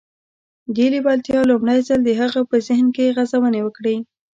دې لېوالتیا لومړی ځل د هغه په ذهن کې غځونې وکړې.